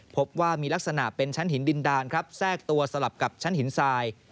พบว่ามีลักษณะเป็นชั้นหินดินดานครับแทรกตัวสลับกับชั้นหินทราย